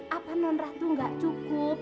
apa non ratu gak cukup